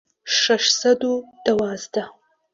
شەش سەد و دوازدە